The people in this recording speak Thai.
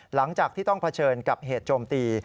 หลังจากที่ต้องเผชิญกับเหตุโจมตี